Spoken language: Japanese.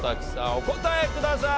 お答えください。